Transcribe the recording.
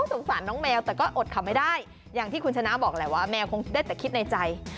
สงสารน้องแมวแต่ก็อดขำไม่ได้อย่างที่คุณชนะบอกแหละว่าแมวคงได้แต่คิดในใจ